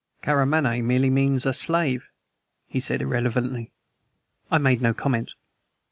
"Karamaneh merely means a slave," he said irrelevantly. I made no comment.